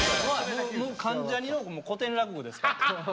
もう関ジャニの古典落語ですから。